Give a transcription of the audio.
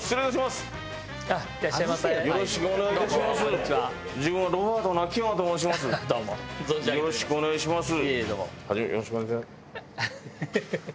はじめよろしくお願いします。